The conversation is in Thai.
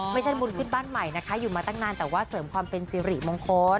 ไม่ใช่บุญขึ้นบ้านใหม่นะคะอยู่มาตั้งนานแต่ว่าเสริมความเป็นสิริมงคล